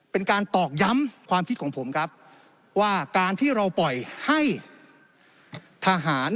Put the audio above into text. ตอกย้ำความคิดของผมครับว่าการที่เราปล่อยให้ทหาร